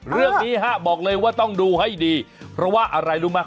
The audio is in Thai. เรื่องนี้ฮะบอกเลยว่าต้องดูให้ดีเพราะว่าอะไรรู้ไหม